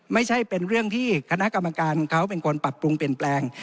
ไม่ใช่เป็นเรื่องที่คณะกรรมการเขาเป็นคนปรับปรุงเปลี่ยนแปลง